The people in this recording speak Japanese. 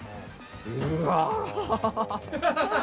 うわ！